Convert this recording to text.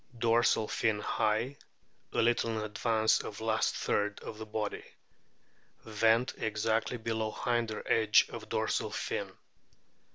Dorsal fin high, a little in advance of last third of body. Vent exactly below hinder edge of dorsal fin.